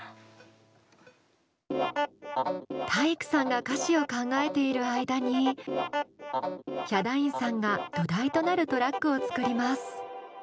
体育さんが歌詞を考えている間にヒャダインさんが土台となるトラックを作ります。